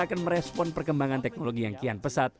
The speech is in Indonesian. bahkan seakan merespon perkembangan teknologi yang kian pesat